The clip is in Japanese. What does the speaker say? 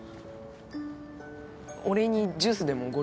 お礼にジュースでもおごるよ。